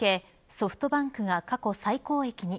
ソフトバンクが過去最高益に。